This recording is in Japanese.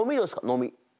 飲み。